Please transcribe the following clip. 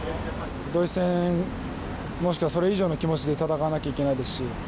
ドイツ戦、もしくはそれ以上の気持ちで戦わなきゃいけないですし。